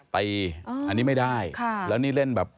พ่อทำบ่อยไหมครับ